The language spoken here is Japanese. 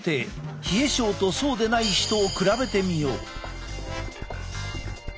冷え症とそうでない人を比べてみよう。